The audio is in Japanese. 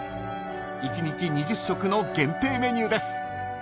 ［１日２０食の限定メニューです］